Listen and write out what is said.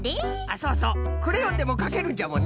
そうそうクレヨンでもかけるんじゃもんね。